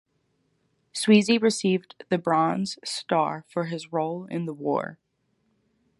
Sweezy received the bronze star for his role in the war.